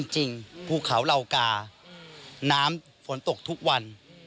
ภูเขาเหล่ากาน้ำฝนตกทุกวัน